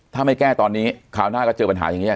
ถ้าไม่แก้ตอนนี้คราวหน้าก็เจอปัญหาอย่างนี้